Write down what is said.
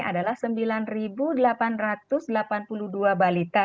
adalah sembilan delapan ratus delapan puluh dua balita